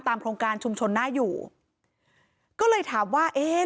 โครงการชุมชนน่าอยู่ก็เลยถามว่าเอ๊ะ